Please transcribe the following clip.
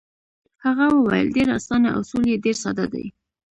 هغه وویل: ډېر اسانه، اصول یې ډېر ساده دي.